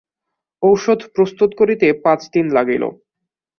ঔষধ প্রস্তুত করিতে পাঁচ দিন লাগিল।